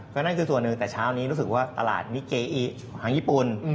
ก็นั่นคือส่วนหนึ่งแต่เช้านี้รู้สึกว่าตลาดมิเกอิทางญี่ปุ่น